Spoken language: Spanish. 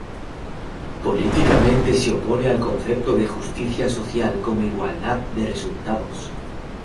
Políticamente se opone al concepto de justicia social como igualdad de resultados.